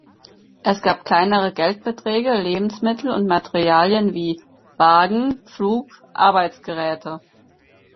Es gab kleinere Geldbeträge, Lebensmittel und Materialien wie Wagen, Pflug, Arbeitsgeräte.